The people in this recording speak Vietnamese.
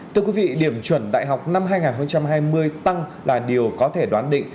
thưa quý vị điểm chuẩn đại học năm hai nghìn hai mươi tăng là điều có thể đoán định